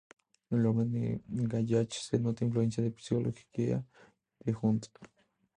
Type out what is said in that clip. En la obra de Wallach se nota la influencia de la psicología de Jung.